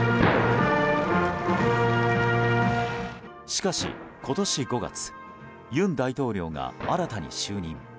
しかし、今年５月尹大統領が新たに就任。